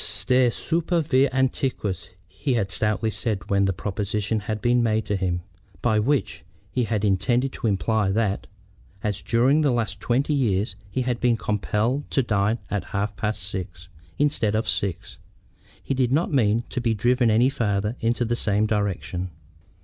"Stare super vias antiquas," he had stoutly said when the proposition had been made to him; by which he had intended to imply that, as during the last twenty years he had been compelled to dine at half past six instead of six, he did not mean to be driven any farther in the same direction.